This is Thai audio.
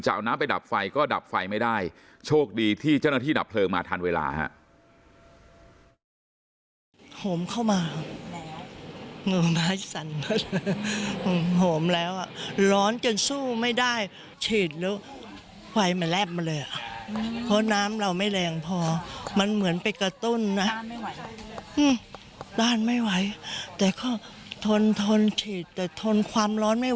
เอาน้ำไปดับไฟก็ดับไฟไม่ได้โชคดีที่เจ้าหน้าที่ดับเพลิงมาทันเวลาฮะ